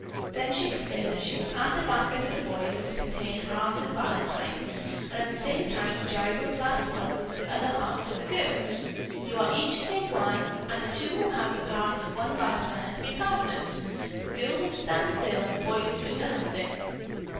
Then she explained that she would pass a basket to the boys that would contain halves of valentines, and that at the same time Gerry would pass one with the other halves to the girls. "You are each to take one, and the two who have the parts of one valentine are to be partners. The girls are to stand still and the boys to do the hunting."